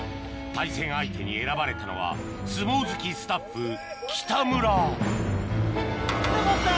対戦相手に選ばれたのは相撲好きのこった！